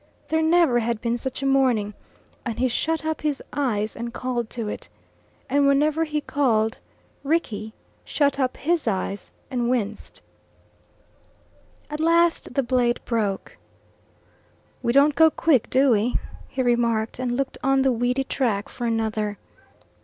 There never had been such a morning, and he shut up his eyes and called to it. And whenever he called, Rickie shut up his eyes and winced. At last the blade broke. "We don't go quick, do we" he remarked, and looked on the weedy track for another.